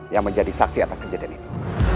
yang menjadi saksi atas kejadian itu